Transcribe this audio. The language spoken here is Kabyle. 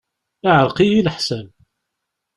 Iɛreq-iyi leḥsab.